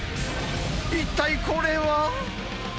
一体これは？